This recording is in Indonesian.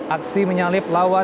aksi menyalip lawan